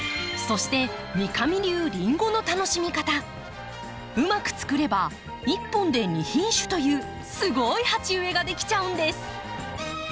そしてうまくつくれば１本で２品種というすごい鉢植えが出来ちゃうんです！